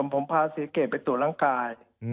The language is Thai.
ผมพาศรีเกตไปตรวจร่างกาย